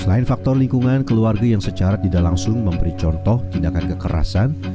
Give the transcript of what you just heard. selain faktor lingkungan keluarga yang secara tidak langsung memberi contoh tindakan kekerasan